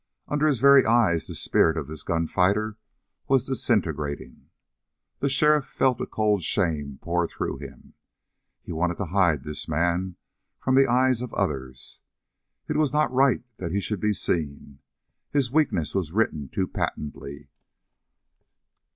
Under his very eyes the spirit of this gunfighter was disintegrating. The sheriff felt a cold shame pour through him. He wanted to hide this man from the eyes of the others. It was not right that he should be seen. His weakness was written too patently.